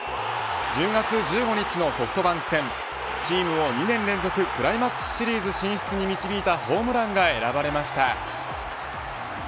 １０月１５日のソフトバンク戦チームを２年連続クライマックスシリーズ進出に導いたホームランが選ばれました。